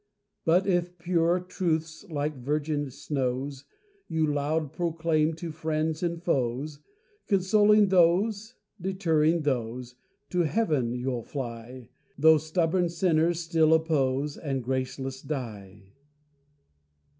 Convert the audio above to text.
But if pure truths, like virgin snows, You loud proclaim, to friends and foes, Consoling these, deterring those To heaven you'll fly; Though stubborn sinners still oppose, And graceless die.